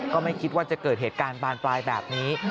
ก็ไม่คิดว่าจะเกิดเหตุการณ์บานปลายแบบนี้